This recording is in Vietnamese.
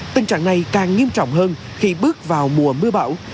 tình trạng này càng nghiêm trọng hơn khi bước vào mùa mưa bão